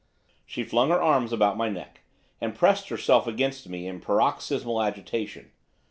She flung her arms about my neck, and pressed herself against me in paroxysmal agitation.